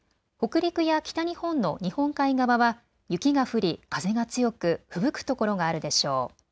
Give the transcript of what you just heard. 北陸や北日本の日本海側は雪が降り風が強く、ふぶくところがあるでしょう。